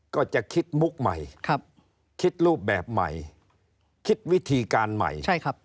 ก็จะคิดมุกใหม่คิดรูปแบบใหม่คิดวิธีการใหม่